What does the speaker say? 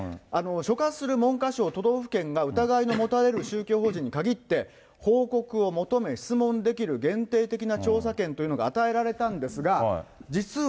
所轄する文科省、都道府県が疑いの持たれる宗教法人にかぎって、報告を求め質問できる限定的な調査権というのが与えられたんです